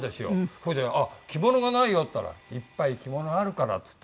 それで「着物がないよ」って言ったら「いっぱい着物あるから」っつって。